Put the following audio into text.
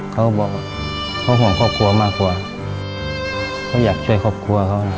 เขาบอกเขาห่วงครอบครัวมากกว่าเขาอยากช่วยครอบครัวเขานะ